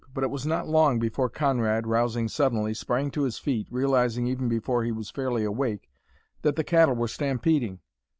But it was not long before Conrad, rousing suddenly, sprang to his feet, realizing even before he was fairly awake that the cattle were stampeding.